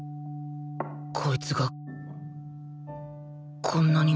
こいつがこんなにも